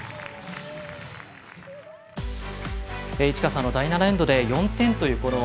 市川さん、第７エンドで４点という。